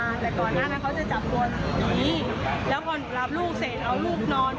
แต่ก่อนหน้านั้นเขาจะจับตัวหลังนี้แล้วพอหนูรับลูกเสร็จเอาลูกนอน